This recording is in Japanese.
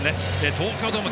東京ドーム